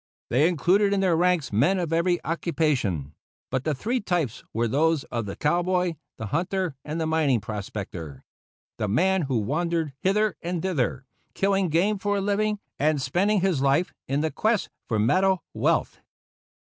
They included in their ranks men of every occupation; but the three types were those of the cowboy, the hunter, and the mining prospector the man who wandered hither and thither, killing game for a living, and spending his life in the quest for metal wealth.